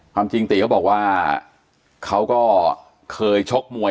ความจริงติเขาบอกว่าเขาก็เคยชกมวย